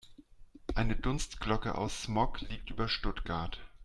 Eine Dunstglocke aus Smog liegt über Stuttgart.